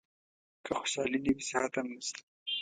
که خوشالي نه وي صحت هم نشته .